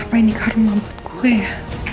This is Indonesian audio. apa ini karun mamat gue ya